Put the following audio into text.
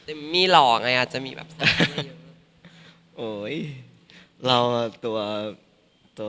เอมมี่หล่อไงอาจจะมีความสะวันทั้งด้านดนตรี